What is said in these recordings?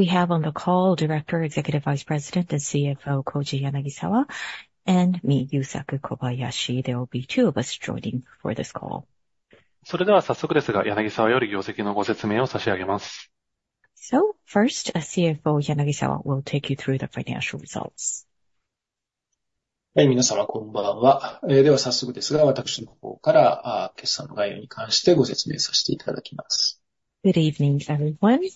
We have on the call Director, Executive Vice President, and CFO Koji Yanagisawa, and me, Yusaku Kobayashi. There will be two of us joining for this call. So then, So first, CFO Yanagisawa will take you through the financial results. Good evening, everyone.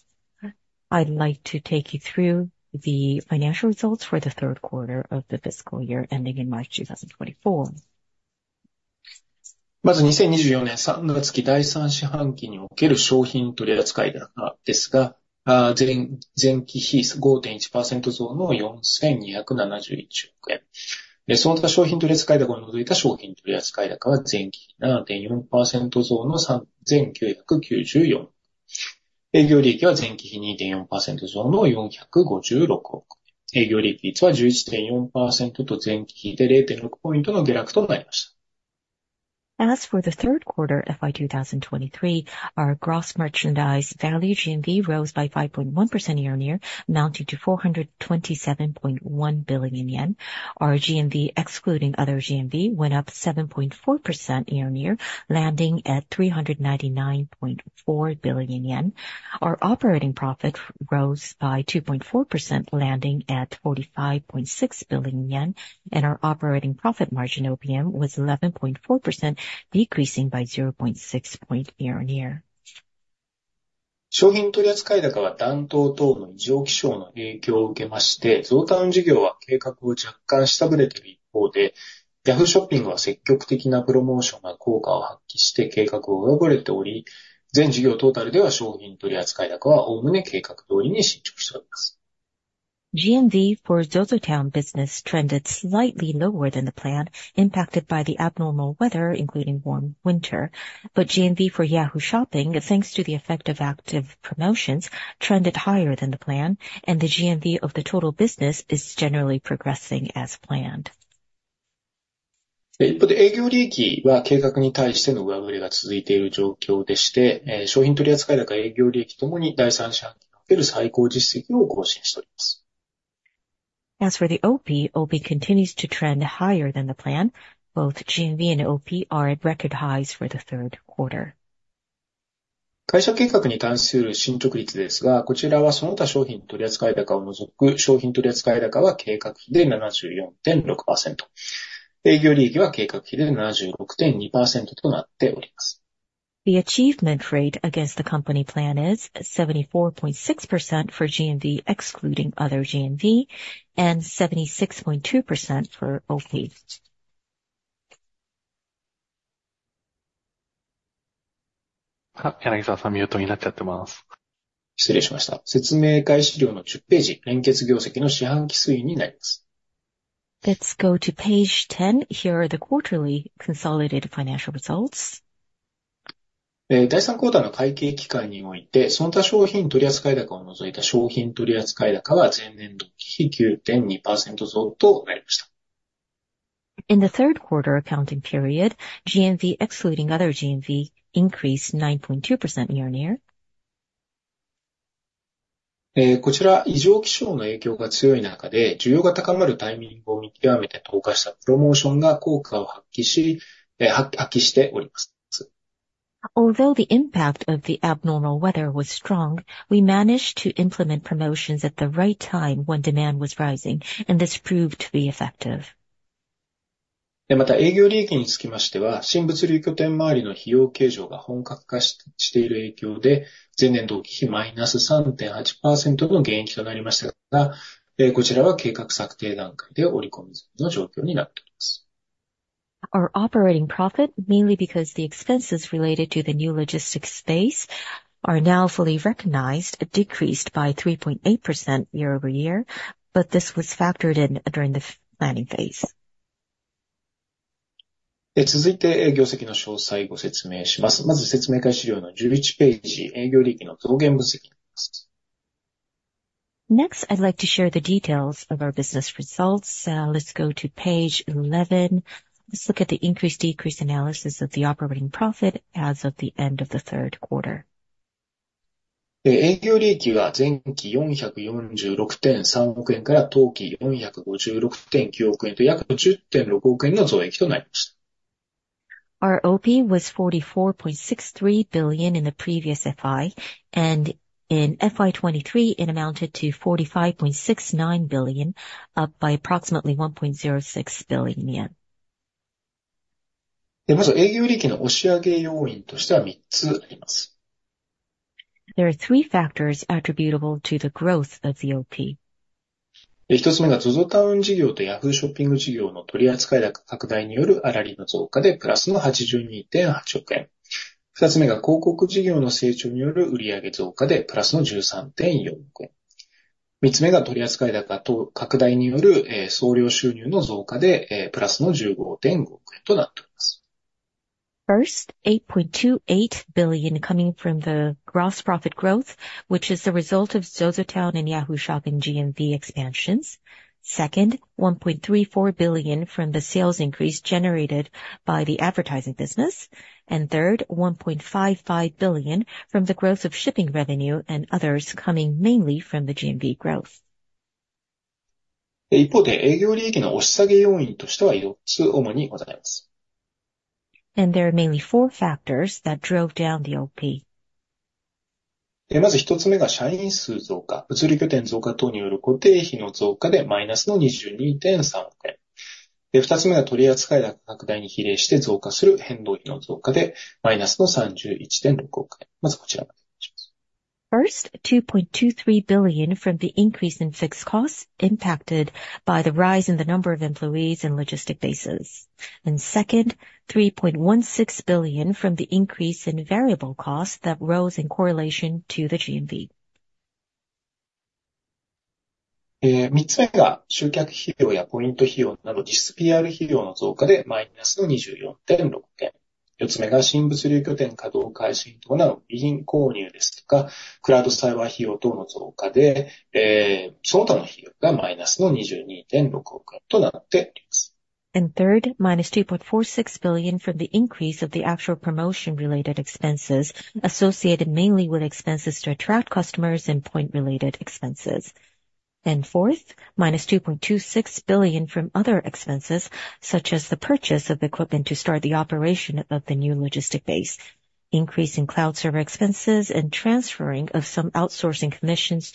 I'd like to take you through the financial results for the third quarter of the fiscal year ending in March 2024. As for the third quarter of FY 2023, our Gross Merchandise Value, GMV, rose by 5.1% year-over-year, amounting to 427.1 billion yen. Our GMV, excluding other GMV, went up 7.4% year-over-year, landing at 399.4 billion yen. Our operating profit rose by 2.4%, landing at 45.6 billion yen, and our Operating Profit Margin, OPM, was 11.4%, decreasing by 0.6 point year-over-year. GMV for ZOZOTOWN business trended slightly lower than the plan, impacted by the abnormal weather, including warm winter. But GMV for Yahoo! Shopping, thanks to the effect of active promotions, trended higher than the plan, and the GMV of the total business is generally progressing as planned. As for the OP, OP continues to trend higher than the plan. Both GMV and OP are at record highs for the third quarter. The achievement rate against the company plan is 74.6% for GMV, excluding other GMV, and 76.2% for OPs. Let's go to page 10. Here are the quarterly consolidated financial results. In the third quarter accounting period, GMV, excluding other GMV, increased 9.2% year-on-year. Although the impact of the abnormal weather was strong, we managed to implement promotions at the right time when demand was rising, and this proved to be effective. Our operating profit, mainly because the expenses related to the new logistics space are now fully recognized, decreased by 3.8% year-over-year, but this was factored in during the planning phase. Next, I'd like to share the details of our business results. Let's go to page 11. Let's look at the increase/decrease analysis of the operating profit as of the end of the third quarter. Our OP was 44.63 billion in the previous FY, and in FY 2023, it amounted to 45.69 billion, up by approximately 1.06 billion yen. There are three factors attributable to the growth of the OP. First, JPY 8.28 billion coming from the gross profit growth, which is the result of ZOZOTOWN and Yahoo! Shopping GMV expansions. Second, 1.34 billion from the sales increase generated by the advertising business. And third, JPY 1.55 billion from the growth of shipping revenue and others, coming mainly from the GMV growth. ...一方で、営業利益の押し下げ要因としては4つ主にございます。There are mainly four factors that drove down the OP. まず一つ目が社員数増加、物流拠点増加等による固定費の増加でマイナスの22.3億円。で、二つ目は取り扱い額拡大に比例して増加する変動費の増加でマイナスの31.6億円。まずこちらまでお願いします。First, JPY 2.23 billion from the increase in fixed costs impacted by the rise in the number of employees and logistic bases, and second, JPY 3.16 billion from the increase in variable costs that rose in correlation to the GMV. 三つ目が集客費用やポイント費用など実質PR費用の増加でマイナスの24.6億円。四つ目が新物流拠点稼働開始に伴う備品購入ですとか、クラウドサーバー費用等の増加で、その他の費用がマイナスの22.6億円となっております。And third, JPY -2.46 billion from the increase of the actual promotion related expenses associated mainly with expenses to attract customers and point related expenses. And fourth, -2.26 billion from other expenses, such as the purchase of equipment to start the operation of the new logistic base, increase in cloud server expenses, and transferring of some outsourcing commissions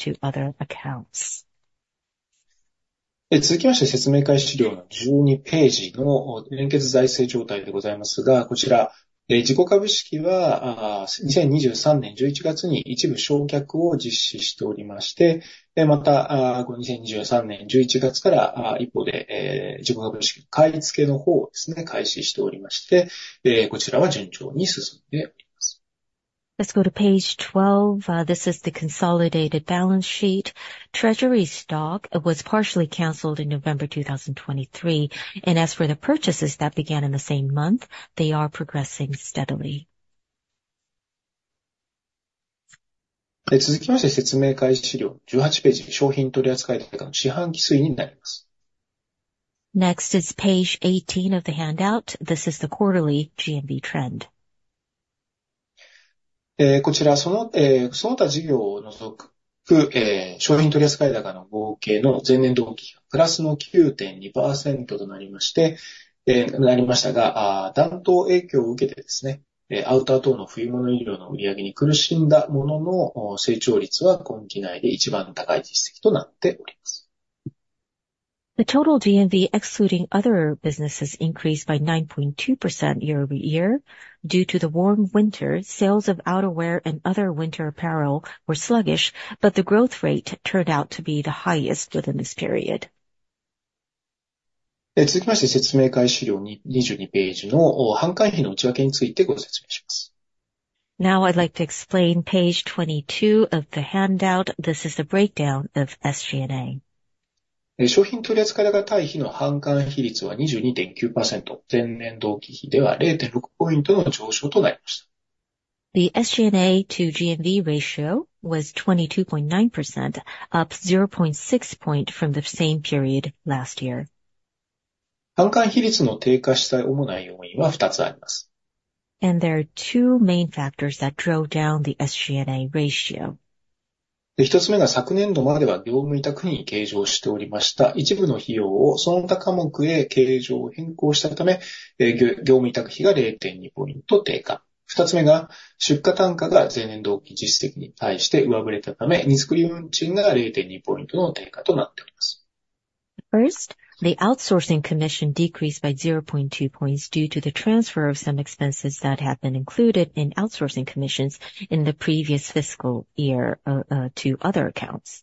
to other accounts. 続いて、説明会資料の12ページの連結財務状態ですが、こちら、自己株式は、2023年11月に一部償却を実施しておりまして、また、2023年11月から一方で、自己株式買い付けの方をですね、開始しておりまして、こちらは順調に進んでおります。Let's go to page 12. This is the consolidated balance sheet. Treasury stock was partially canceled in November 2023, and as for the purchases that began in the same month, they are progressing steadily. 続いて、説明会資料18ページ、商品取扱い高の四半期推移になります。Next is page 18 of the handout. This is the quarterly GMV trend. The total GMV, excluding other businesses, increased by 9.2% year-over-year. Due to the warm winter, sales of outerwear and other winter apparel were sluggish, but the growth rate turned out to be the highest within this period. 続いて、説明会資料22ページの、販管費の内訳についてご説明します。Now, I'd like to explain page 22 of the handout. This is the breakdown of SG&A. 商品取り扱い高対比の販管費率は22.9%、前年同期比では0.6ポイントの上昇となりました。The SG&A to GMV ratio was 22.9%, up 0.6 point from the same period last year. 販管費率の低下した主な要因は二つあります。There are two main factors that drove down the SG&A ratio. で、一つ目が、昨年度までは業務委託に計上しておりました。一部の費用をその他科目へ計上を変更したため、業務委託費が0.2ポイント低下。二つ目が出荷単価が前年同期実績に対して上振れたため、荷造運賃が0.2ポイントの低下となっております。First, the outsourcing commission decreased by 0.2 points due to the transfer of some expenses that had been included in outsourcing commissions in the previous fiscal year to other accounts.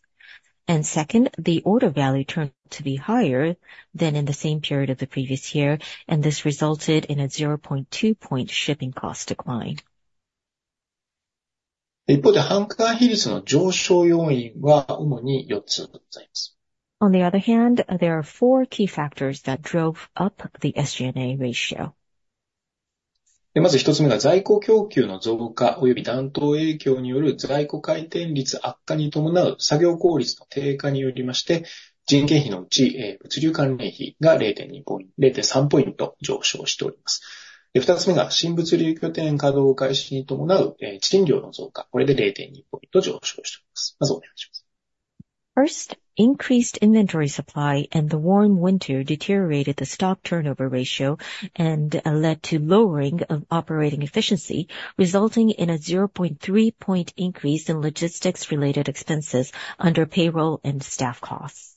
Second, the order value turned out to be higher than in the same period of the previous year, and this resulted in a 0.2 point shipping cost decline. 一方で、販管費率の上昇要因は主に四つございます。On the other hand, there are four key factors that drove up the SG&A ratio. まず一つ目が、在庫供給の増加および暖冬影響による在庫回転率悪化に伴う作業効率の低下によりまして、人件費のうち、物流関連費が0.2ポイント...0.3ポイント上昇しております。で、二つ目が新物流拠点稼働開始に伴う、地賃料の増加。これで0.2ポイント上昇しております。まずお願いします。First, increased inventory supply and the warm winter deteriorated the stock turnover ratio and led to lowering of operating efficiency, resulting in a 0.3-point increase in logistics-related expenses under payroll and staff costs.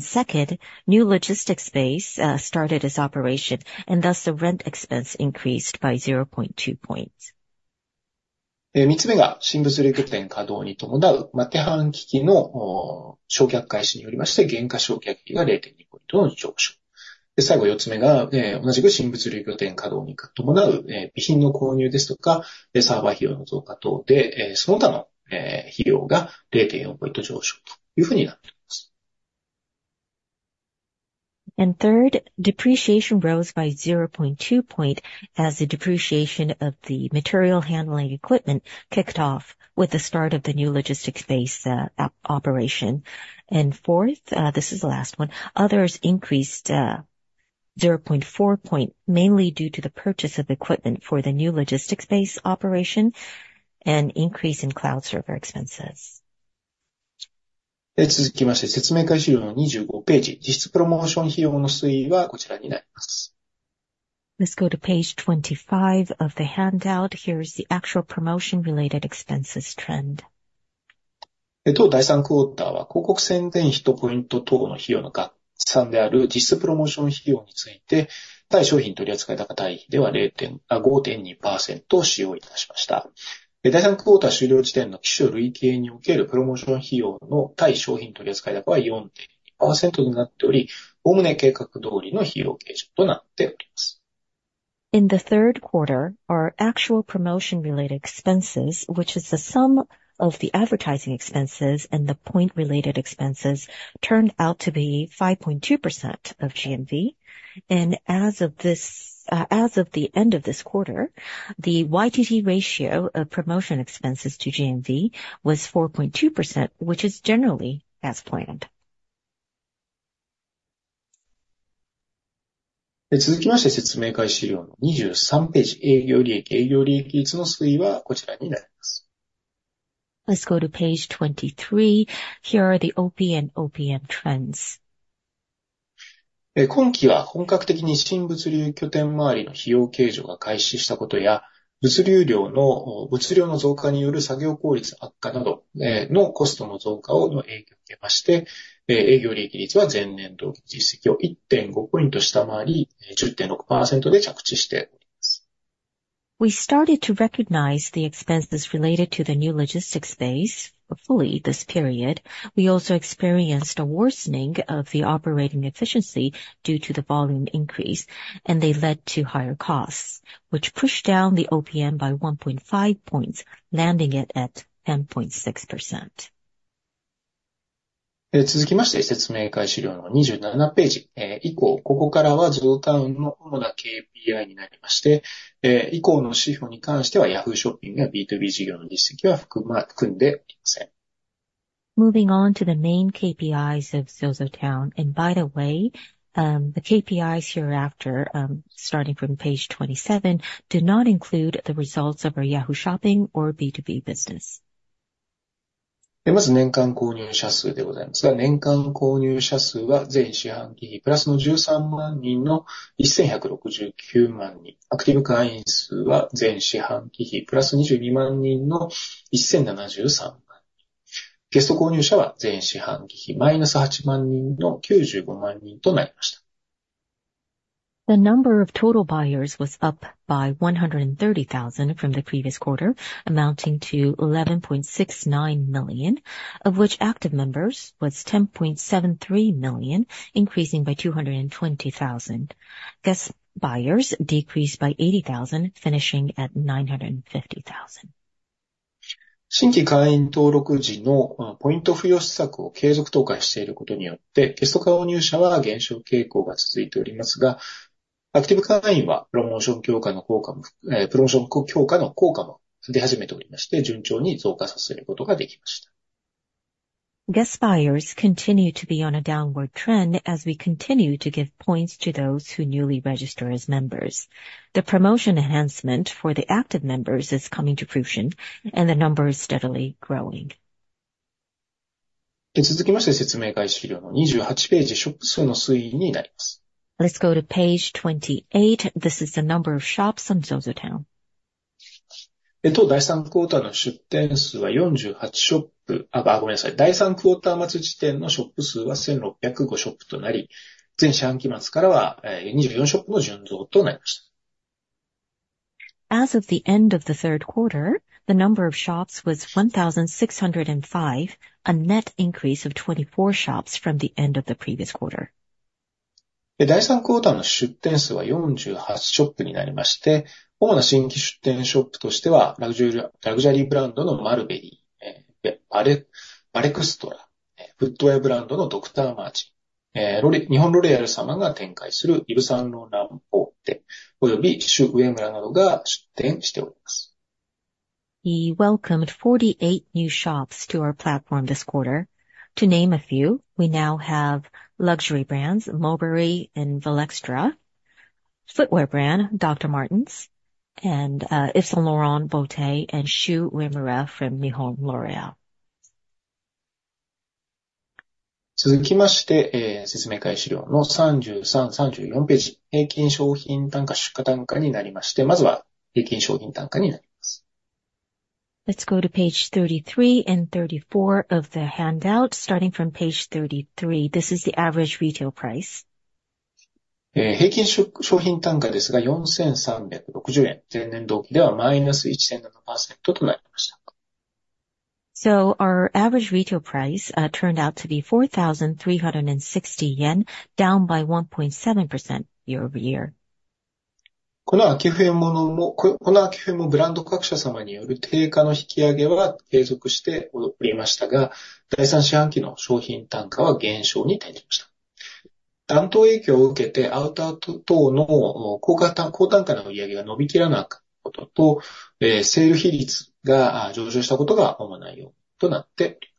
Second, new logistics base started its operation, and thus the rent expense increased by 0.2 points. And third, depreciation rose by 0.2 points as the depreciation of the material handling equipment kicked off with the start of the new logistics base operation. And fourth, this is the last one, others increased 0.4 points, mainly due to the purchase of equipment for the new logistics base operation and increase in cloud server expenses. 続きまして、説明会資料の25ページ、実質プロモーション費用の推移はこちらになります。Let's go to page 25 of the handout. Here is the actual promotion related expenses trend. 当第三クォーターは、広告宣伝費とポイント等の費用の合算である実質プロモーション費用について、対商品取扱い高対比では5.2%使用いたしました。第三クォーター終了時点の期首累計におけるプロモーション費用の対商品取扱い高は4.1%になっており、おおむね計画通りの費用計上となっております。In the third quarter, our actual promotion related expenses, which is the sum of the advertising expenses and the point related expenses, turned out to be 5.2% of GMV. As of the end of this quarter, the YTD ratio of promotion expenses to GMV was 4.2%, which is generally as planned. 続きまして、説明会資料の23ページ、営業利益、営業利益率の推移はこちらになります。Let's go to page 23. Here are the OP and OPM trends. 今期は本格的に新物流拠点周りの費用計上が開始したことや、物流量の、物量の増加による作業効率悪化など、のコストの増加の影響を受けて、営業利益率は前年同期実績を1.5ポイント下回り、10.6%で着地しております。We started to recognize the expenses related to the new logistics base fully this period. We also experienced a worsening of the operating efficiency due to the volume increase, and they led to higher costs, which pushed down the OPM by 1.5 points, landing it at 10.6%. 続いて、説明会資料の27ページ。以降、ここからはZOZOTOWNの主なKPIになりまして、以後の資料に関しては、Yahoo! ShoppingやBtoB事業の実績は含んでおりません。Moving on to the main KPIs of ZOZOTOWN. And by the way, the KPIs hereafter, starting from page 27, do not include the results of our Yahoo! Shopping or B2B business. まず、年間購入者数でございますが、年間購入者数は前四半期比+13万人の1,169万人、アクティブ会員数は前四半期比+22万人の1,073万人。ゲスト購入者は前四半期比-8万人の95万人となりました。The number of total buyers was up by 130,000 from the previous quarter, amounting to 11.69 million, of which active members was 10.73 million, increasing by 220,000. Guest buyers decreased by 80,000, finishing at 950,000. 新規会員登録時のポイント付与施策を継続投下していることによって、ゲスト購入者は減少傾向が続いておりますが、アクティブ会員はプロモーション強化の効果も出始めておりますが、順調に増加させる事ができました。Guest buyers continue to be on a downward trend as we continue to give points to those who newly register as members. The promotion enhancement for the active members is coming to fruition, and the number is steadily growing. 続いて、説明会資料の28ページ、ショップ数の推移になります。Let's go to page 28. This is the number of shops on ZOZOTOWN. 当第三クォーターの出店数は48ショップ... ごめんなさい。第3クォーター末時点のショップ数は1,605ショップとなり、前四半期末からは、24ショップの純増となりました。As of the end of the third quarter, the number of shops was 1,605, a net increase of 24 shops from the end of the previous quarter. 第三クォーターの出店数は48ショップになりまして、主な新規出店ショップとしては、ラグジュア、ラグジュアリーブランドのマルベリー、ヴァレクストラ、フットウェアブランドのドクターマーテンズ、ロレアル日本ロレアル様が展開するイヴ・サン・ローラン・ボーテおよびシュウウエムラなどが店出しております。We welcomed 48 new shops to our platform this quarter. To name a few, we now have luxury brands Mulberry and Valextra, footwear brand Dr. Martens, and Yves Saint Laurent Beauté, and Shu Uemura from Nihon L'Oréal. 続いて、説明会資料の33、34ページ。平均商品単価、出荷単価になりまして、まずは平均商品単価になります。Let's go to page 33 and 34 of the handout. Starting from page 33, this is the average retail price. 平均出荷単価ですが、4,360円、前年同期ではマイナス1.7%となりました。Our average retail price turned out to be 4,360 yen, down by 1.7% year-over-year. この秋冬も、ブランド各社様による定価の引き上げは続いておりましたが、第三四半期の商品単価は減少に転じました。暖冬の影響を受けて、アウター等の高単価の売上が伸びきらなかったことと、セール比率が上昇したことが主な要因となっております。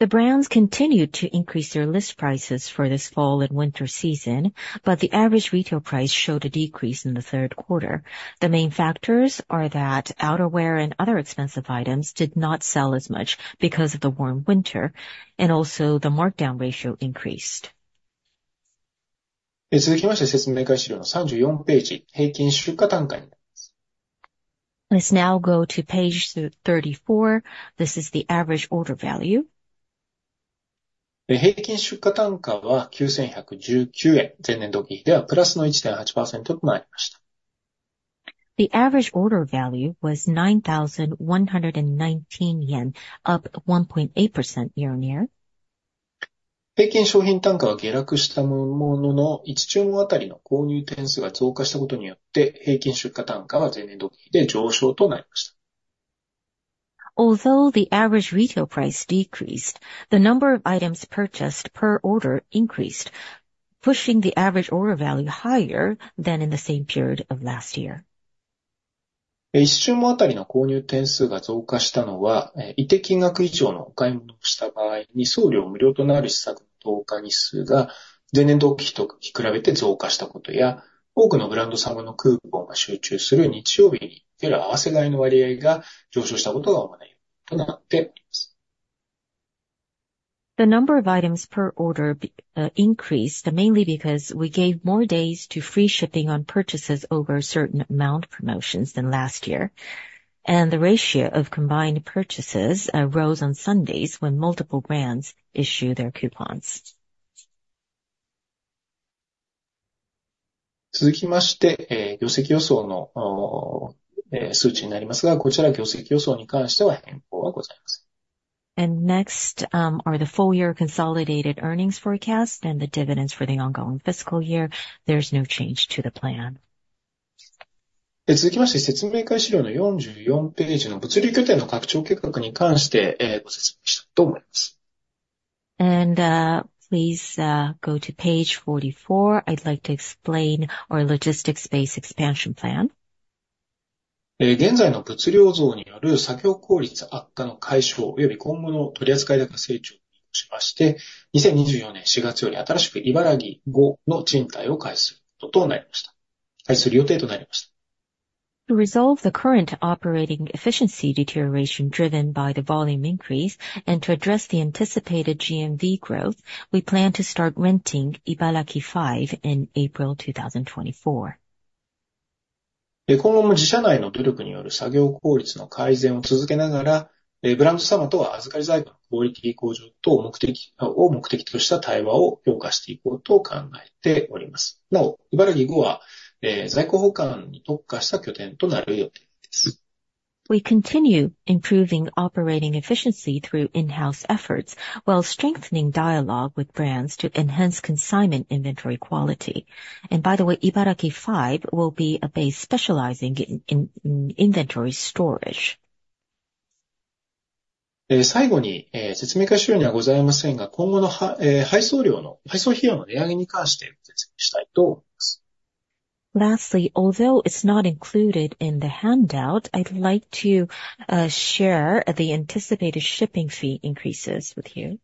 ...The brands continued to increase their list prices for this fall and winter season, but the average retail price showed a decrease in the third quarter. The main factors are that outerwear and other expensive items did not sell as much because of the warm winter, and also the markdown ratio increased. Let's now go to page 34. This is the average order value. The average order value was 9,119 yen, up 1.8% year-on-year. Although the average retail price decreased, the number of items purchased per order increased, pushing the average order value higher than in the same period of last year. The number of items per order be increased, mainly because we gave more days to free shipping on purchases over a certain amount promotions than last year, and the ratio of combined purchases rose on Sundays when multiple brands issue their coupons. Next, are the full-year consolidated earnings forecast and the dividends for the ongoing fiscal year. There's no change to the plan. Please go to page 44. I'd like to explain our logistics base expansion plan. To resolve the current operating efficiency deterioration driven by the volume increase and to address the anticipated GMV growth, we plan to start renting Ibaraki 5 in April 2024. We continue improving operating efficiency through in-house efforts, while strengthening dialogue with brands to enhance consignment inventory quality. By the way, Ibaraki 5 will be a base specializing in inventory storage. Lastly, although it's not included in the handout, I'd like to share the anticipated shipping fee increases with you.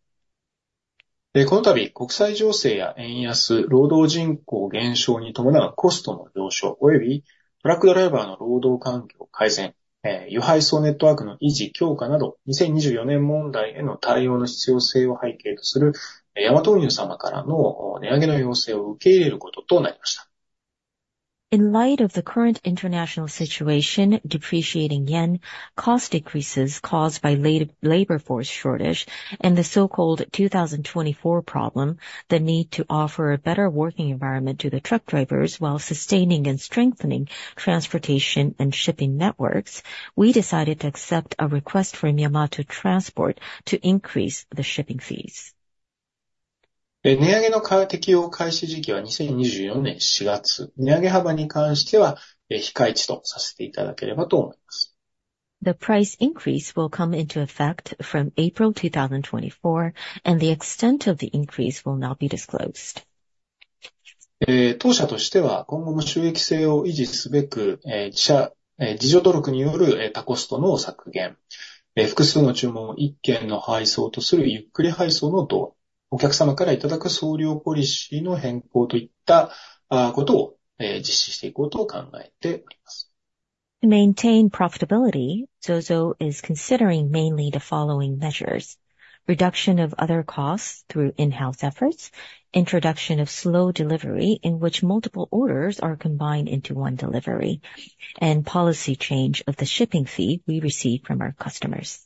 In light of the current international situation, depreciating yen, cost decreases caused by labor force shortage and the so-called 2024 problem, the need to offer a better working environment to the truck drivers while sustaining and strengthening transportation and shipping networks, we decided to accept a request from Yamato Transport to increase the shipping fees. The price increase will come into effect from April 2024, and the extent of the increase will not be disclosed. To maintain profitability, ZOZO is considering mainly the following measures: reduction of other costs through in-house efforts, introduction of slow delivery, in which multiple orders are combined into one delivery, and policy change of the shipping fee we receive from our customers.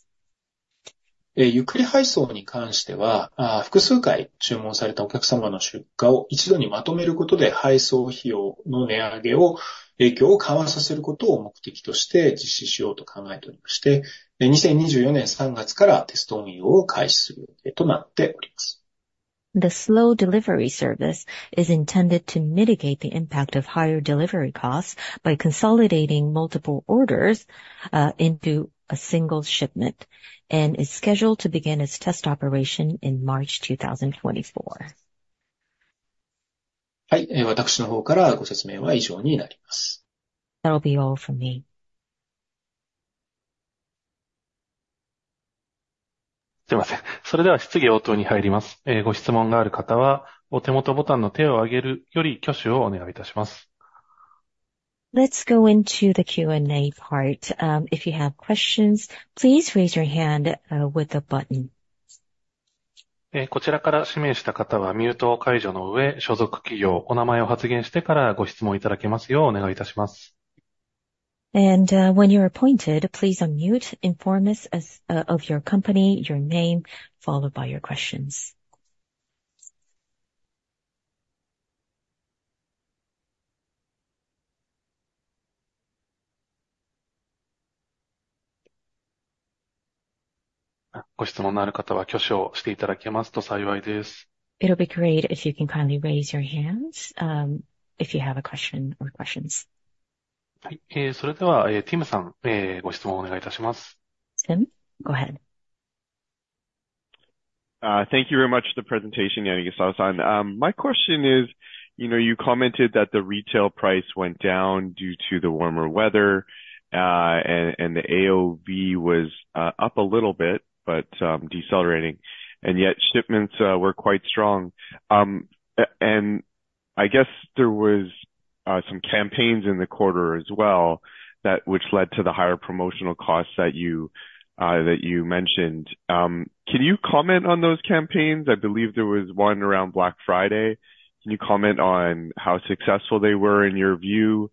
The slow delivery service is intended to mitigate the impact of higher delivery costs by consolidating multiple orders into a single shipment, and is scheduled to begin its test operation in March 2024. …はい、私の方からご説明は以上になります。That'll be all for me. すいません。それでは質疑応答に入ります。ご質問がある方は、お手元ボタンの手を上げるより挙手をお願いいたします。Let's go into the Q&A part. If you have questions, please raise your hand with the button. えー、こちらから指名した方はミュート解除の上、所属企業、お名前を発言してからご質問いただきますようお願いいたします。When you're appointed, please unmute, inform us of your company, your name, followed by your questions. ご質問のある方は挙手していただけますと幸いです。It'll be great if you can kindly raise your hands, if you have a question or questions. はい、それでは、Timさん、ご質問をお願いいたします。Tim, go ahead. Thank you very much for the presentation, Yanagisawa-san. My question is, you know, you commented that the retail price went down due to the warmer weather, and the AOV was up a little bit, but decelerating, and yet shipments were quite strong. And I guess there was some campaigns in the quarter as well, that which led to the higher promotional costs that you mentioned. Can you comment on those campaigns? I believe there was one around Black Friday. Can you comment on how successful they were in your view,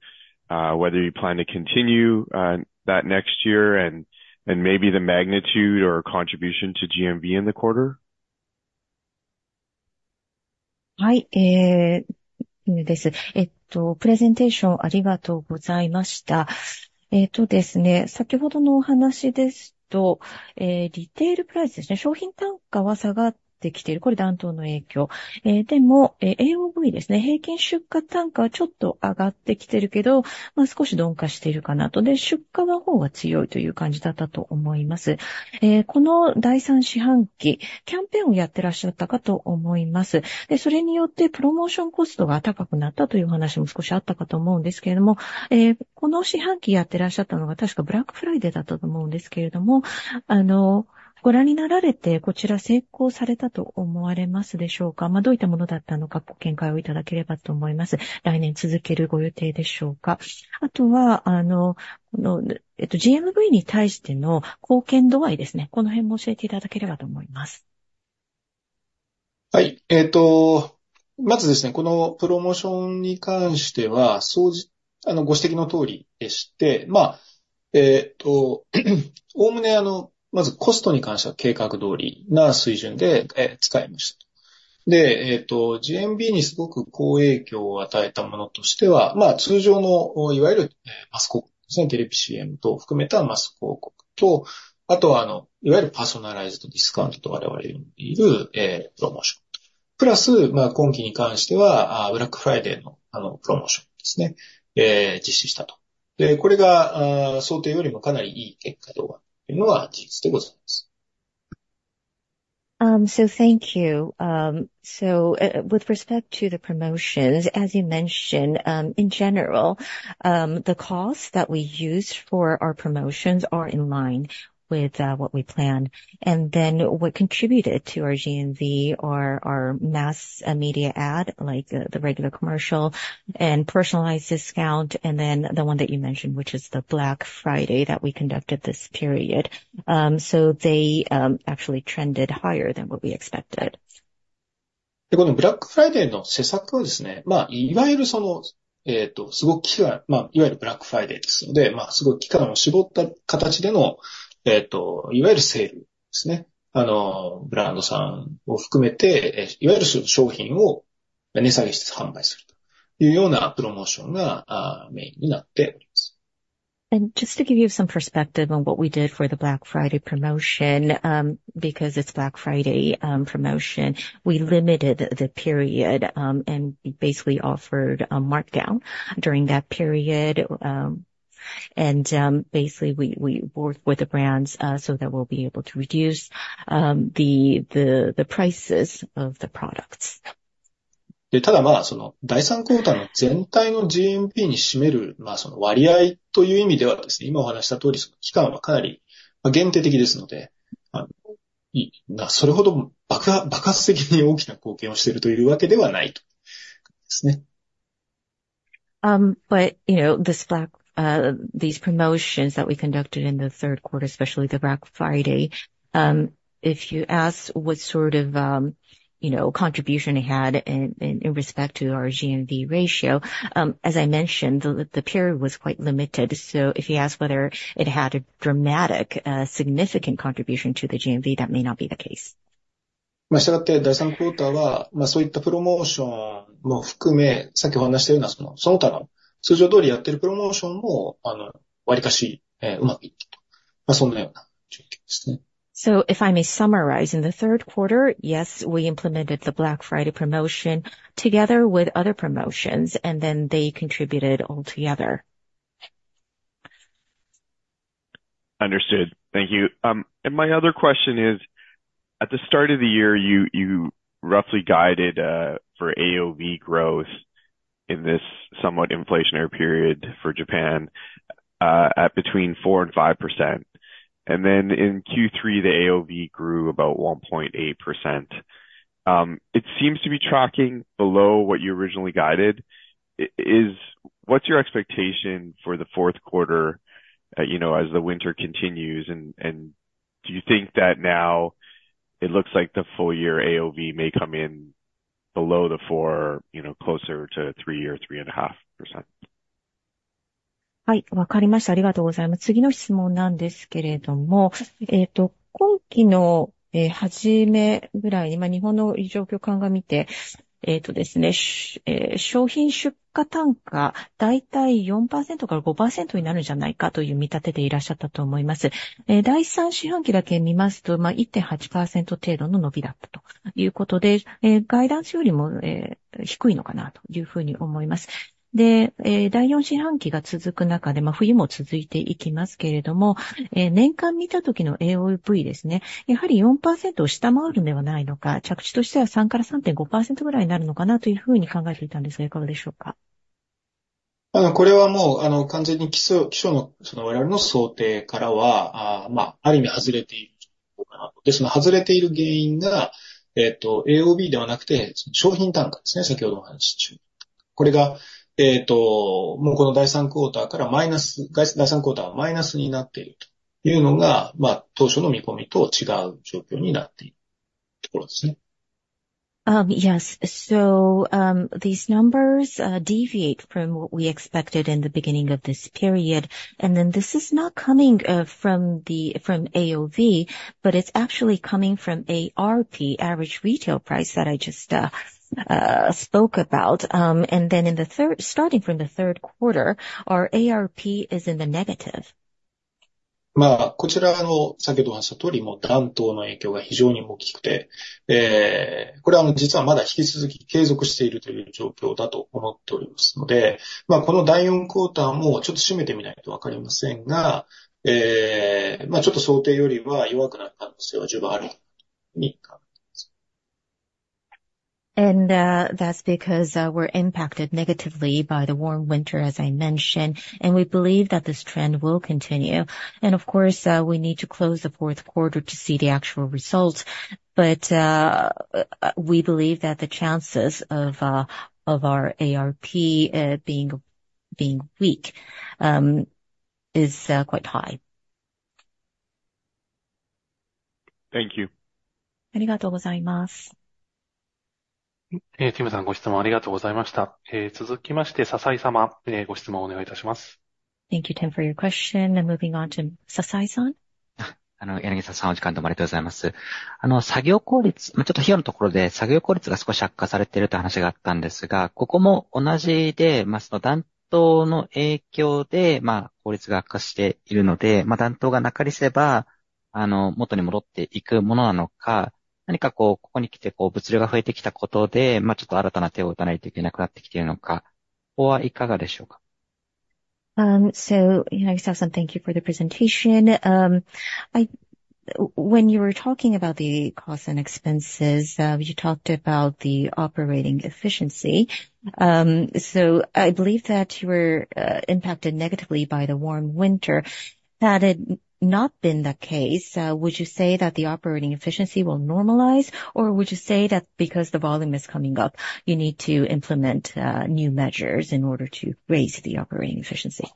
whether you plan to continue that next year and maybe the magnitude or contribution to GMV in the quarter? はい。えっと、まずですね、このプロモーションに関しては、総じ... Thank you. With respect to the promotions, as you mentioned, in general, the costs that we use for our promotions are in line with what we planned. And then what contributed to our GMV are our mass media ad, like the regular commercial and personalized discount, and then the one that you mentioned, which is the Black Friday, that we conducted this period. They actually trended higher than what we expected. で、このブラックフライデーの施策はですね、まあ、いわゆるその、すごく期間、まあ、いわゆるブラックフライデーですので、まあ、すごい期間を絞った形での、いわゆるセールですね。あの、ブランドさんを含めて、いわゆる商品を値下げして販売するというようなプロモーションが、メインになっております。Just to give you some perspective on what we did for the Black Friday promotion, because it's Black Friday promotion, we limited the period, and basically offered a markdown during that period. Basically, we worked with the brands, so that we'll be able to reduce the prices of the products. で、ただ、まあ、その第3クォーターの全体のGMVに占める、まあ、その割合という意味ではですね、今お話しした通り、その期間はかなり限定的ですので、あの、それほど爆発的に大きな貢献をしているというわけではないですね。But you know, these promotions that we conducted in the third quarter, especially the Black Friday, if you ask what sort of, you know, contribution it had in respect to our GMV ratio, as I mentioned, the period was quite limited. So if you ask whether it had a dramatic, significant contribution to the GMV, that may not be the case. まあ、したがって、第3クォーターは、まあ、そういったプロモーションも含め、さっきお話したような、その、その他の通常通りやっているプロモーションも、あの、割かし、うまくいったと、まあ、そんなような状況ですね。If I may summarize, in the third quarter, yes, we implemented the Black Friday promotion together with other promotions, and then they contributed altogether. ...Understood. Thank you. And my other question is, at the start of the year, you, you roughly guided, for AOV growth in this somewhat inflationary period for Japan, at between 4%-5%. And then in Q3, the AOV grew about 1.8%. It seems to be tracking below what you originally guided. What's your expectation for the fourth quarter? You know, as the winter continues, and, and do you think that now it looks like the full year AOV may come in below the four, you know, closer to 3% or 3.5%? はい、わかりました。ありがとうございます。次の質問なんですけども、今期の始めぐらいに、日本の状況を鑑みて、ですね、商品出荷単価大体 4%から5%になるんじゃないか という見立てでいらっしゃったと思います。第三四半期だけ見ますと、まあ1.8%程度の伸びだったというこ とで、ガイダンスよりも低いのかなというふうに思います。で、第四半期が続く中で、冬も続いていきますけれども、年間見た時のAOVですね。やはり4%を下回るのではないか、着地としては3%から3.5%ぐらいになるのかなというふうに考えて いたんですが、いかがでしょうか。これはもう、完全に基調の我々の想定からは、ある意味外れているのかなと。その外れている原因が、AOVではなくて、商品単価ですね。先ほどの話中、これが、もうこの第三クォーターからマイナス、第三クォーターはマイナスになっているというのが、当初の見込みと違う状況になっているところですね。Yes. So, these numbers deviate from what we expected in the beginning of this period. And then this is not coming from AOV, but it's actually coming from ARP, Average Retail Price that I just spoke about. And then in the third, starting from the third quarter, our ARP is in the negative. まあ、こちらの、先ほどお話した通り、もう暖冬の影響が非常に大きくて、これは実はまだ引き続き継続しているという状況だと思っておりますので、まあ、この第4クォーターもちょっと締めてみないとわかりませんが、まあちょっと想定よりは弱くなったんですよ。大幅に。And, that's because we're impacted negatively by the warm winter, as I mentioned, and we believe that this trend will continue. And of course, we need to close the fourth quarter to see the actual results. But, we believe that the chances of our ARP being weak is quite high. Thank you. ありがとうございます。ティムさん、ご質問ありがとうございました。続きまして、笹井様、ご質問をお願いいたします。Thank you, Tim, for your question, and moving on to Sasai-san. あの、柳田さん、お時間ありがとうございます。あの、作業効率、ちょっと費用のところで作業効率が少し悪化されているという話があったんですけど、ここも同じで、まず暖冬の影響で、まあ効率が悪化しているので、暖冬がなければ、あの、元に戻っていくものなのか、何かこう、ここに来て物流が増えてきたことで、ちょっと新たな手を打たないと行けなくなってきているのか、ここはいかがでしょうか。So, yeah, thank you for the presentation. When you were talking about the costs and expenses, you talked about the operating efficiency. So I believe that you were impacted negatively by the warm winter. Had it not been the case, would you say that the operating efficiency will normalize, or would you say that because the volume is coming up, you need to implement new measures in order to raise the operating efficiency?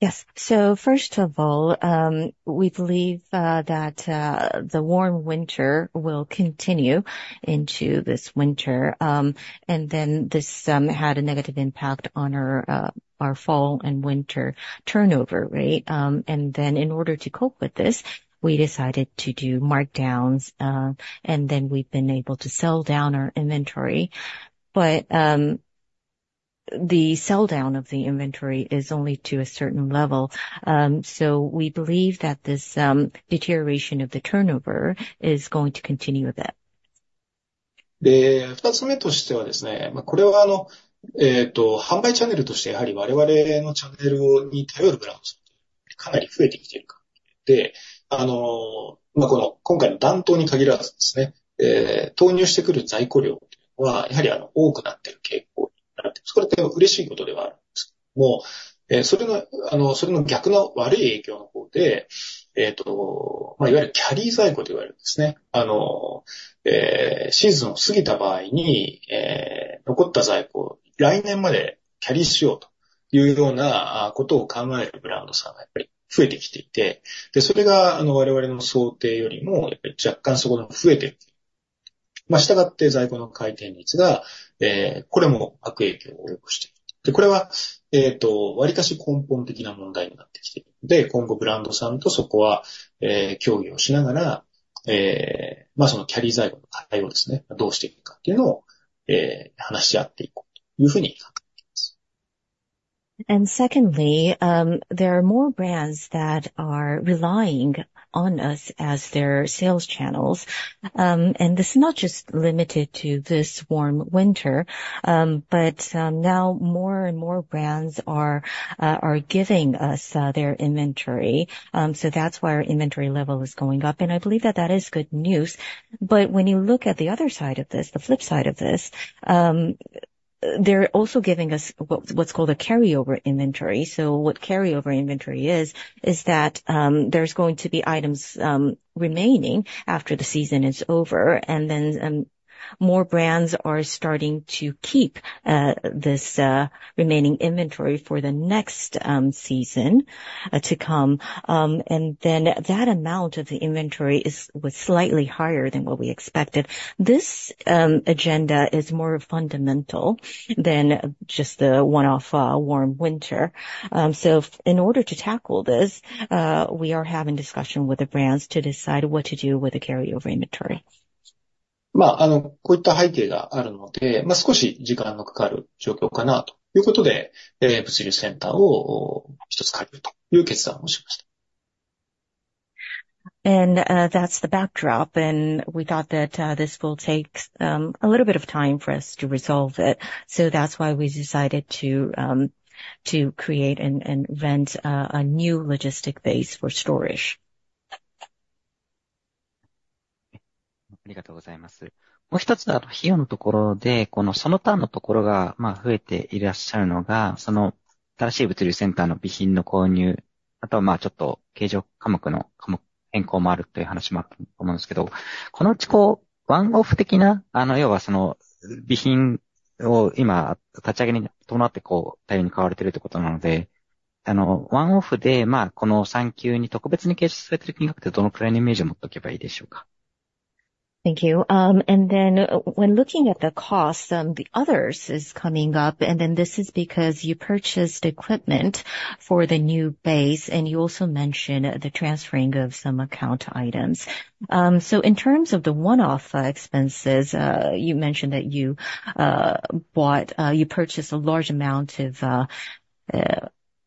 Yes. So first of all, we believe that the warm winter will continue into this winter. And then this had a negative impact on our fall and winter turnover rate. And then in order to cope with this, we decided to do markdowns, and then we've been able to sell down our inventory. But the sell down of the inventory is only to a certain level. So we believe that this deterioration of the turnover is going to continue a bit. る。従って、在庫の回転率が、これも悪影響を及ぼしている。これは明らかに根本的な問題になってきているので、今後ブランドさんとそこは協議をしながら、そのキャリー在庫の課題ですね、どうしていくかっていうのを話し合っていこうというふうに考えています。Secondly, there are more brands that are relying on us as their sales channels. And this is not just limited to this warm winter, but now more and more brands are giving us their inventory. So that's why our inventory level is going up, and I believe that that is good news. But when you look at the other side of this, the flip side of this, they're also giving us what's called a carryover inventory. So what carryover inventory is, is that there's going to be items remaining after the season is over, and then more brands are starting to keep this remaining inventory for the next season to come. And then that amount of the inventory was slightly higher than what we expected. This agenda is more fundamental than just the one-off warm winter. In order to tackle this, we are having discussion with the brands to decide what to do with the carryover inventory. まあ、こういった背景があるので、少し時間がかかる状況かなということで、物流センターを一つ借りるという決断をしました。That's the backdrop. We thought that this will take a little bit of time for us to resolve it. That's why we decided to create and rent a new logistics base for storage. Thank you. And then when looking at the costs, the others is coming up. And then this is because you purchased equipment for the new base, and you also mentioned the transferring of some account items. So in terms of the one off expenses, you mentioned that you bought, you purchased a large amount of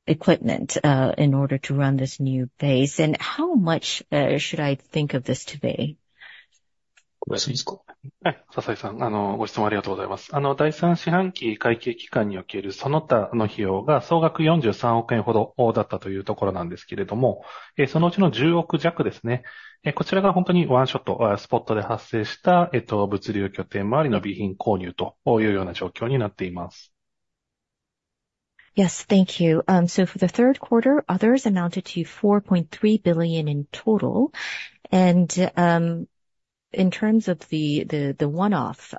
equipment in order to run this new base. And how much should I think of this to be? ごめんなさい。笹井さん、ご質問ありがとうございます。第3四半期会計期間におけるその他の費用が総額43億円ほどだったというところなんですが、そのうちの10億弱ですね。こちらが本当にワンショットスポットで発生した物流拠点周りの備品購入というような状況になっています。Yes, thank you. So for the third quarter, others amounted to 4.3 billion in total. And in terms of the one-off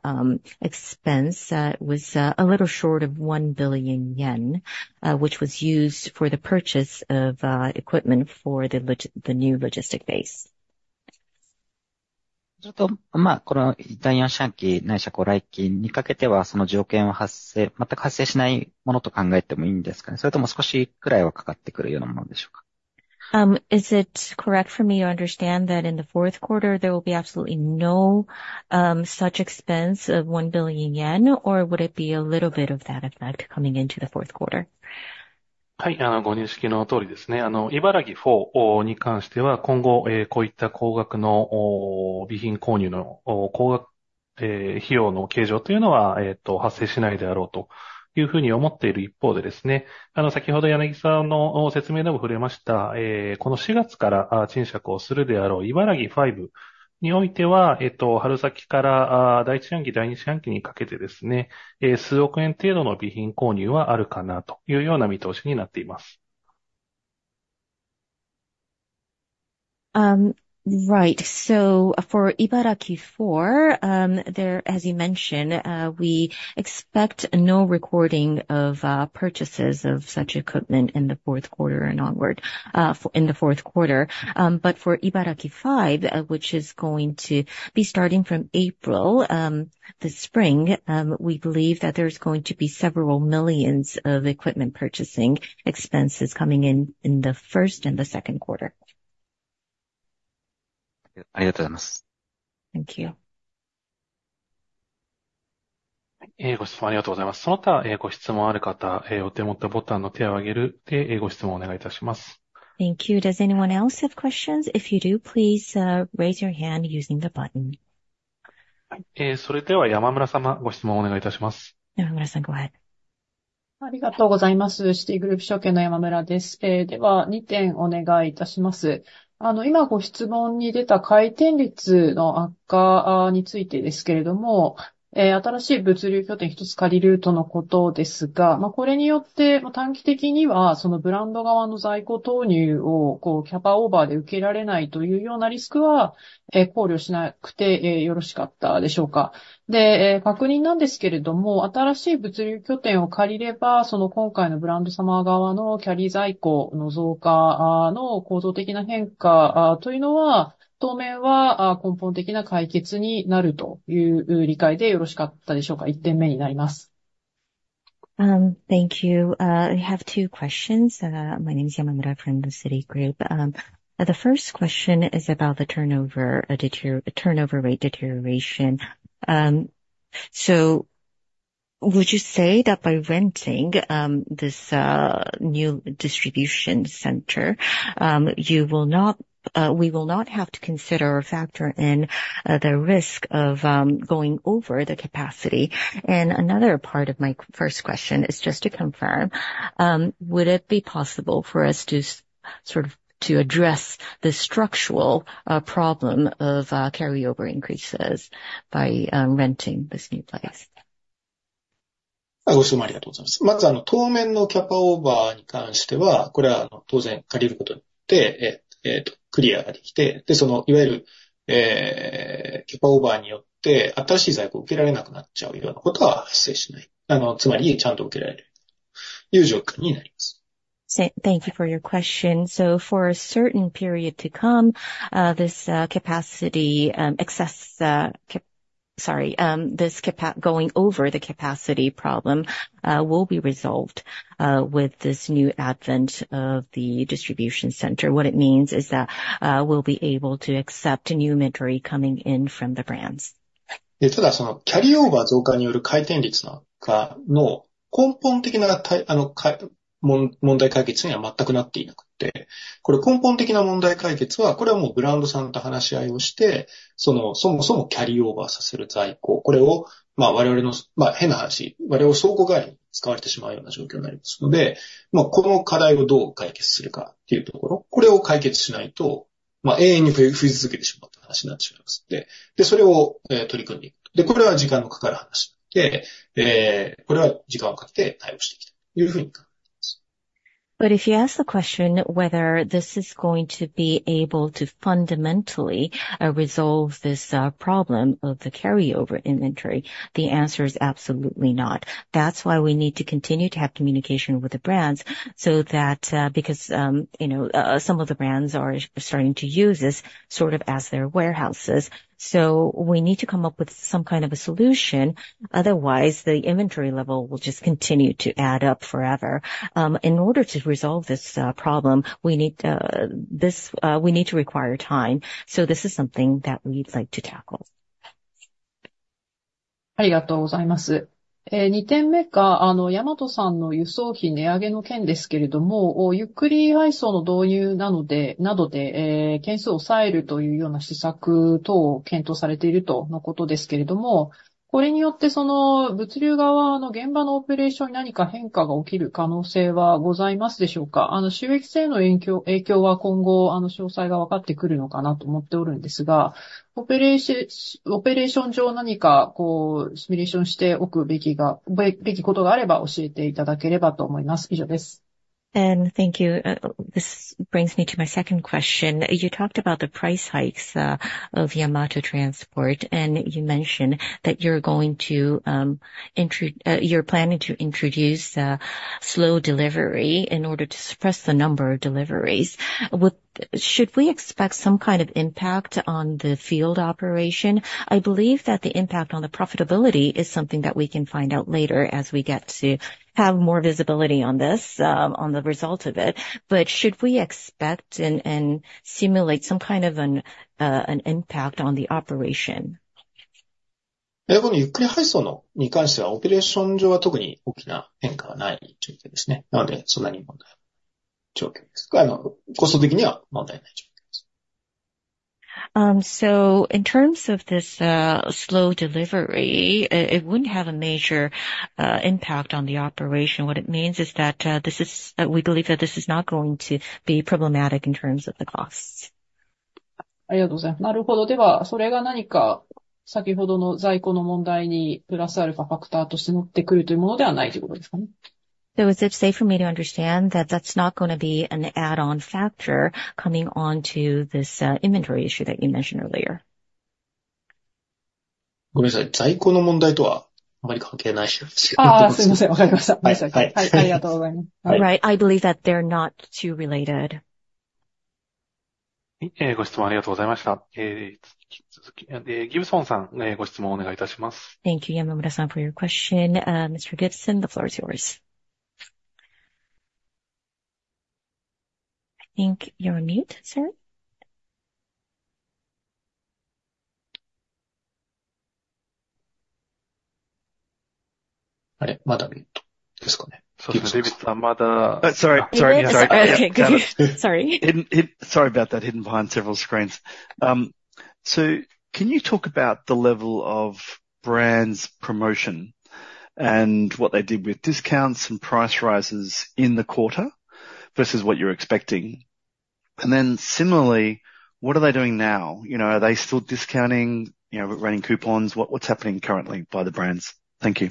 expense was a little short of 1 billion yen, which was used for the purchase of equipment for the new logistics base. ちょっとまあ、この第4四半期ないしは来期にかけては、その条件は全く発生しないものと考えてもいいんですかね。それとも少しぐらいはかかってくるようなものでしょうか。Is it correct for me to understand that in the fourth quarter there will be absolutely no such expense of 1 billion yen? Or would it be a little bit of that effect coming into the fourth quarter? Right. So for Ibaraki 4, there, as you mentioned, we expect no recording of purchases of such equipment in the fourth quarter and onward. In the fourth quarter. But for Ibaraki 5, which is going to be starting from April, this spring, we believe that there's going to be several millions of equipment purchasing expenses coming in in the first and the second quarter. ありがとうございます。Thank you. ご質問ありがとうございます。その他、ご質問ある方、お手元ボタンの手を挙げてご質問をお願いいたします。Thank you. Does anyone else have questions? If you do, please raise your hand using the button. それでは山村様、ご質問をお願いいたします。Yamamura-san, go ahead. Thank you. I have two questions. My name is Yamamura from Citigroup. The first question is about the turnover rate deterioration. So would you say that by renting this new distribution center, you will not, we will not have to consider or factor in the risk of going over the capacity? And another part of my first question is just to confirm, would it be possible for us to sort of, to address the structural problem of carryover increases by renting this new place? Thank you for your question. So for a certain period to come, this going over the capacity problem will be resolved with this new advent of the distribution center. What it means is that, we'll be able to accept new inventory coming in from the brands. But if you ask the question whether this is going to be able to fundamentally resolve this problem of the carryover inventory, the answer is absolutely not. That's why we need to continue to have communication with the brands so that because, you know, some of the brands are starting to use this sort of as their warehouses. So we need to come up with some kind of a solution, otherwise, the inventory level will just continue to add up forever. In order to resolve this problem, we need to require time, so this is something that we'd like to tackle. And thank you. This brings me to my second question. You talked about the price hikes of Yamato Transport, and you mentioned that you're going to you're planning to introduce slow delivery in order to suppress the number of deliveries. Should we expect some kind of impact on the field operation? I believe that the impact on the profitability is something that we can find out later as we get to have more visibility on this on the result of it. But should we expect and simulate some kind of an impact on the operation? So in terms of this slow delivery, it wouldn't have a major impact on the operation. What it means is that we believe that this is not going to be problematic in terms of the costs. Thank you. So is it safe for me to understand that that's not gonna be an add-on factor coming onto this, inventory issue that you mentioned earlier? All right. I believe that they're not too related. Thank you, Yamamura-san, for your question. Mr. Gibson, the floor is yours. I think you're on mute, sir. Sorry. Sorry. Sorry about that. Hidden behind several screens. So, can you talk about the level of brands promotion and what they did with discounts and price rises in the quarter versus what you're expecting? And then similarly, what are they doing now? You know, are they still discounting, you know, running coupons? What's happening currently by the brands? Thank you.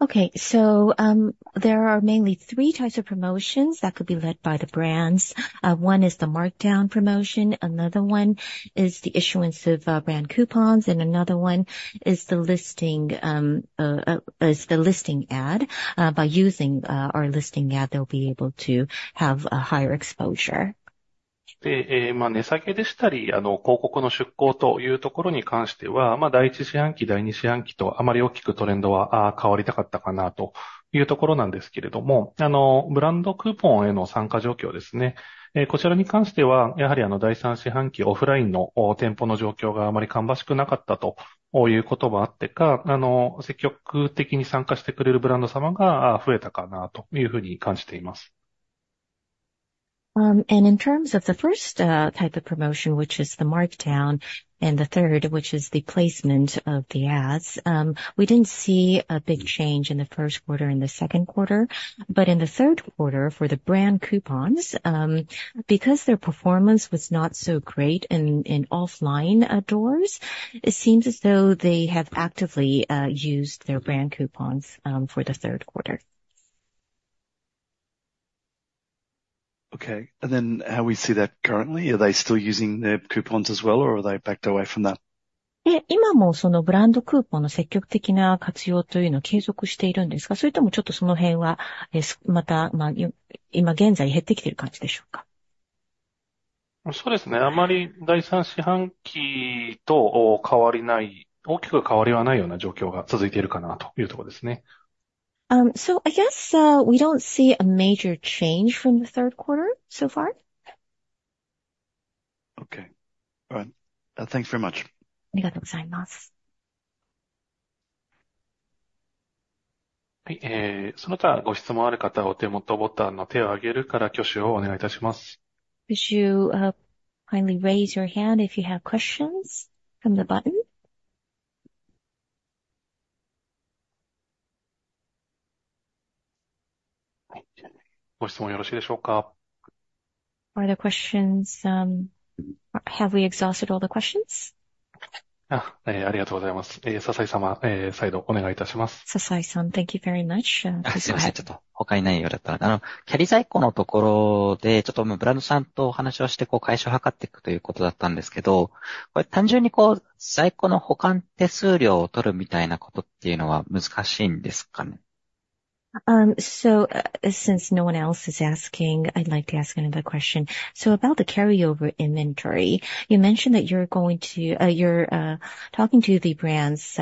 OK. So there are mainly three types of promotions that could be led by the brands. One is the markdown promotion. Another one is the issuance of brand coupons, and another one is the listing ad. By using our listing ad, they'll be able to have a higher exposure. In terms of the first type of promotion, which is the markdown and the third, which is the placement of the ads. We didn't see a big change in the first quarter and the second quarter, but in the third quarter for the brand coupons, because their performance was not so great in offline doors, it seems as though they have actively used their brand coupons for the third quarter. OK, and then how we see that currently? Are they still using their coupons as well, or are they backed away from that? 今もそのブランドクーポンの積極的な活用というのを続けているんですか？それともちょっとその辺はまた今現在減ってきている感じでしょうか。そうですね、あまり第三四半期と変わりない、大きく変わりはないような状況が続いているかなというところですね。I guess we don't see a major change from the third quarter so far. OK. All right. Thank you very much. ありがとうございます。はい。その他、ご質問ある方はお手元ボタンの手を上げるから挙手をしくお願いいたします。Could you kindly raise your hand if you have questions from the button? ご質問よろしいでしょうか。Other questions. Have we exhausted all the questions? ありがとうございます。笹井様、再度お願いいたします。Sasai-san, thank you very much. はい、ちょっと他いないようだったら。キャリー在庫のところで、ちょっとブランドさんと話をして解消を図っていくということだったんですけど、単純にこう、在庫の保管手数料を取るみたいなことは難しいんですかね。So since no one else is asking, I'd like to ask another question. So about the carryover inventory, you mentioned that you're talking to the brands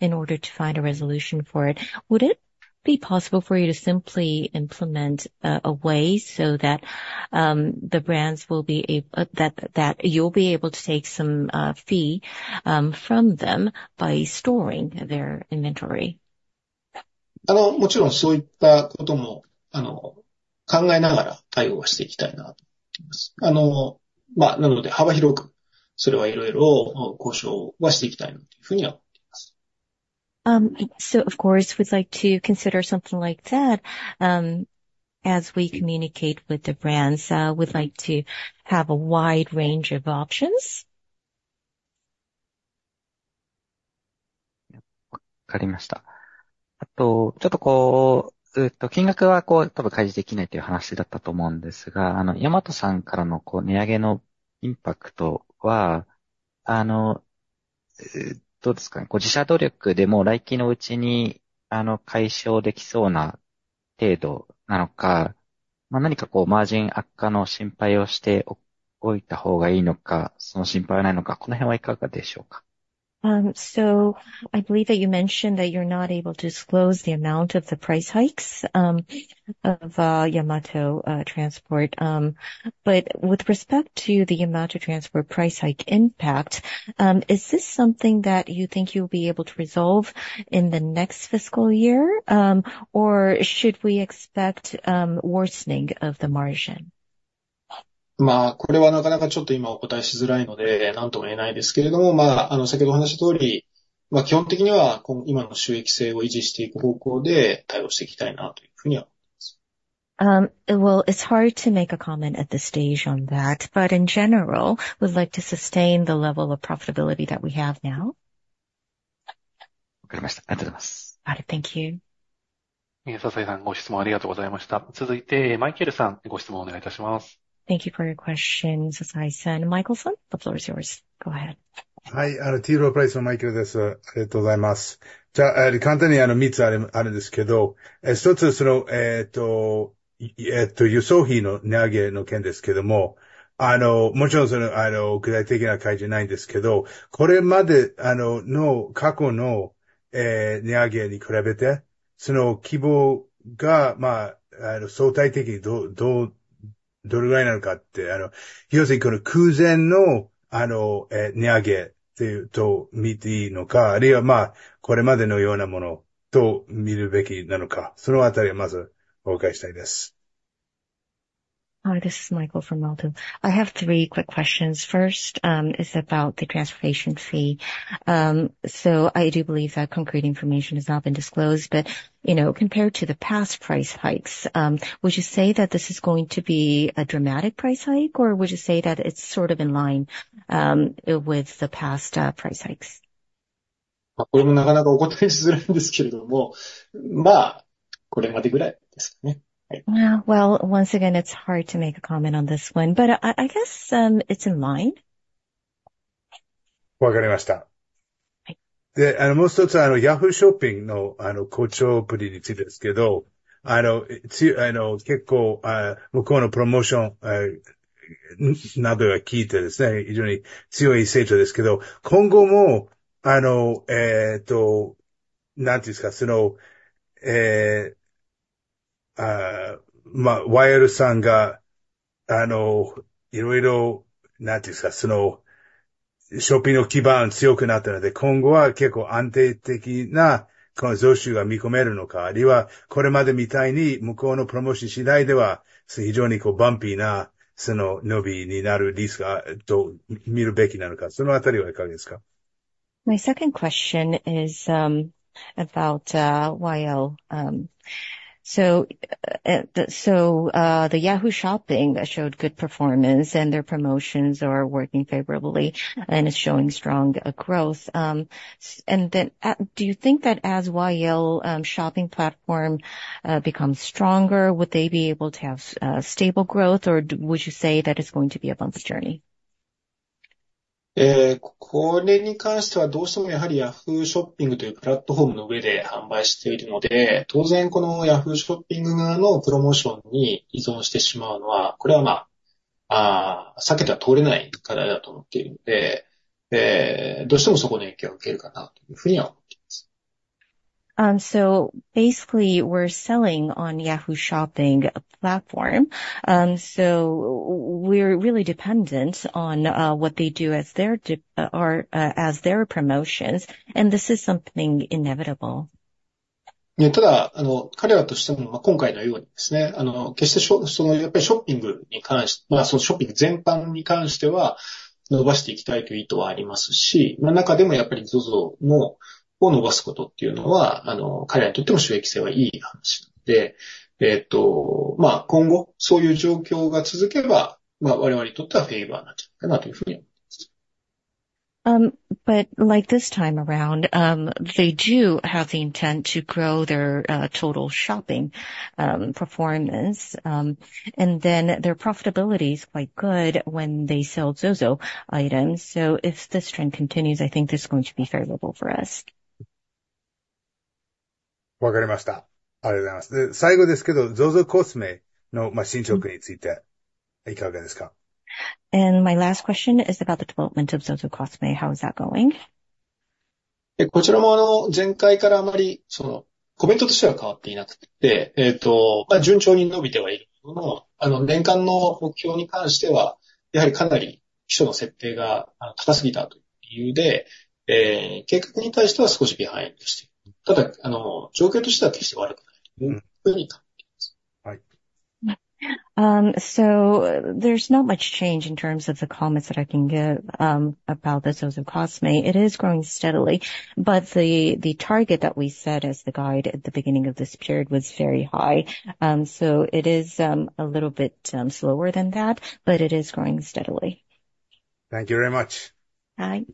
in order to find a resolution for it. Would it be possible for you to simply implement a way so that you'll be able to take some fee from them by storing their inventory? もちろん、そういったことも考えながら対応していきたいなと思っています。だから、幅広く、それはいろいろ交渉していきたいなというふうには思っています。So of course, we'd like to consider something like that. As we communicate with the brands, we'd like to have a wide range of options. わかりました。あと、ちょっとこう、金額は多分開示できないという話だったと思うんですけど、ヤマトさんからの値上げのインパクトは、あの、どうですかね。自社努力でも来期のうちに解消できそうな程度なのか、何かマージン悪化の心配をしておいた方がいいのか、その心配はないのか、この辺はいかがでしょうか。So I believe that you mentioned that you're not able to disclose the amount of the price hikes of Yamato Transport. But with respect to the amount of transport price hike impact, is this something that you think you'll be able to resolve in the next fiscal year? Or should we expect worsening of the margin? まあ、これなかなかちょっと今お答えしづらいので何とも言えないですけれども、先ほどお話した通り、基本的には今の収益性を維持していく方向で対応していきたいなというふうには思っています。Well, it's hard to make a comment at this stage on that, but in general, we'd like to sustain the level of profitability that we have now. わかりました。ありがとうございます。Thank you. 笹井さん、ご質問ありがとうございました。続いてマイケルさん、ご質問をお願いいたします。Thank you for your question, Sasai-san. Michael-san, the floor is yours. Go ahead. はい。T. Rowe Priceのマイケルです。ありがとうございます。じゃあ、簡単に三つあるんですけど、一つ、その、輸送費の値上げの件ですけど。あの、もちろんその、あの、具体的な開示ないんですけど、これまでの過去の値上げに比べて。...その規模が、まあ、相対的にどう、どれくらいなのかって。要するに、この空前のあの値上げと見て良いのか、あるいはまあ、これまでのようなものと見るべきなのか、その辺をまずお伺いしたいです。Hi, this is Michael from T. Rowe Price. I have three quick questions. First, is about the transportation fee. So I do believe that concrete information has not been disclosed. But, you know, compared to the past price hikes, would you say that this is going to be a dramatic price hike, or would you say that it's sort of in line, with the past, price hikes? これもなかなか答えづらいんですけども、まあこれぐらいですかね。Well, once again, it's hard to make a comment on this one, but I guess, it's in line. わかりました。で、もう一つ、Yahoo! ショッピングの好調ぶりですけど、結構向こうのプロモーションなどが効いてますね、非常に強い成長ですけど、今後も、LYさんが、いろいろ、そのショッピングの基盤が強くなってるので、今後は結構安定的な増収が見込めるのか、あるいはこれまでみたいに向こうのプロモーション次第では非常にバンピーなその伸びになるリスクと見るべきなのか、その辺はいかがですか。My second question is about Yahoo!. So, the Yahoo! Shopping showed good performance, and their promotions are working favorably, and it's showing strong growth. And then do you think that as Yahoo! shopping platform becomes stronger, would they be able to have stable growth, or would you say that it's going to be a bumpy journey? Basically, we're selling on Yahoo! Shopping platform. We're really dependent on what they do as their promotions, and this is something inevitable. ただ、彼らとしても今回のようですね、決してやっぱりショッピングに関して、そのショッピング全般に関しては伸ばしていきたいという意図はありますし、中でもやっぱりZOZOを伸ばすということというのは、彼らにとっても収益性はいい話なので。えーと、まあ今後そういう状況が続けば、我々にとってはフェイバーナ状況かなというふうに思います。But like this time around, they do have the intent to grow their total shopping performance, and then their profitability is quite good when they sell ZOZO items. So if this trend continues, I think this is going to be favorable for us. わかりました。ありがとうございます。最後ですけど、ZOZOCOSMEの進捗についていかがですか。My last question is about the development of ZOZOCOSME. How is that going? こちらも前回からあまりコメントとしては変わっていなくて、順調に伸びてはいるものの、年間の目標に関してはやはりかなり基調の設定が高すぎたという理由で、計画に対しては少しビハインドしている。ただ、状況としては決して悪くないというふうに考えています。So there's not much change in terms of the comments that I can give about the ZOZOCOSME. It is growing steadily, but the target that we set as the guide at the beginning of this period was very high. So it is a little bit slower than that, but it is growing steadily. Thank you very much. Hai.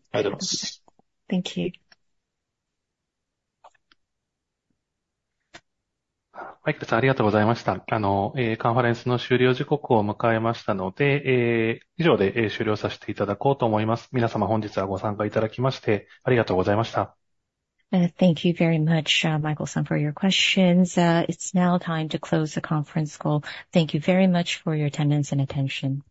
Thank you. ありがとうございます。ありがとうございました。コンファレンスの終了時刻を迎えましたので、以上で終了させていただこうと思います。皆様、本日はご参加いただきありがとうございました。Thank you very much, Michael San, for your questions. It's now time to close the conference call. Thank you very much for your attendance and attention.